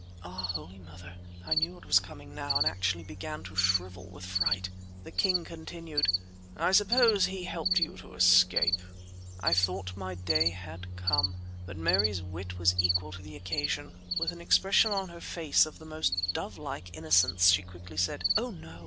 Ah! Holy Mother! I knew what was coming now, and actually began to shrivel with fright. The king continued: "I suppose he helped you to escape?" I thought my day had come, but Mary's wit was equal to the occasion. With an expression on her face of the most dove like innocence, she quickly said: "Oh! no!